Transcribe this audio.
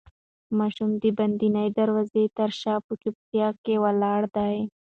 ماشوم د بندې دروازې تر شا په چوپتیا کې ولاړ دی.